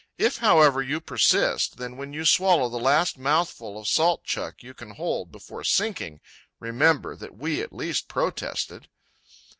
If, however, you persist, then, when you swallow the last mouthful of salt chuck you can hold before sinking, remember that we at least protested."